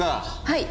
はい。